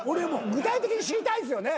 具体的に知りたいですよね